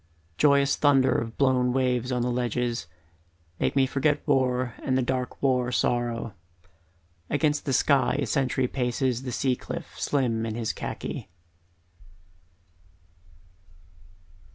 Joyous thunder of blown waves on the ledges, Make me forget war and the dark war sorrow Against the sky a sentry paces the sea cliff Slim in his khaki.